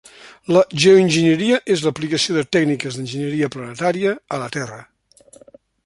La geoenginyeria és l'aplicació de tècniques d'enginyeria planetària a la Terra.